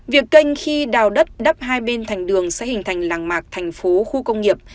việc kênh khi đào đất đắp hai bên thành đường sẽ hình thành làng mạc thành phố khu công nghiệp